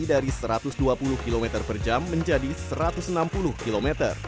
dari satu ratus dua puluh km per jam menjadi satu ratus enam puluh km